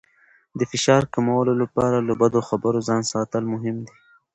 د فشار کمولو لپاره له بدو خبرونو ځان ساتل مهم دي.